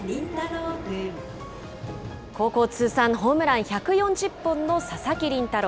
高校通算ホームラン１４０本の佐々木麟太郎。